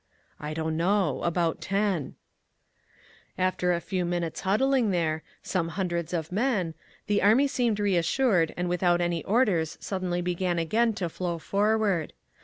"I don't know. About ten…." After a few minutes huddling there, some hundreds of men, the army seemed reassured and without any orders suddenly began again to flow forward.